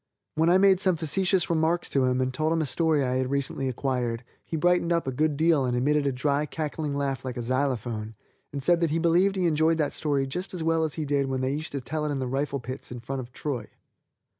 When I made some facetious remarks to him and told him a story I had recently acquired, he brightened up a good deal and emitted a dry, cackling laugh like a xylophone, and said that he believed he enjoyed that story just as well as he did when they used to tell it in the rifle pits in front of Troy.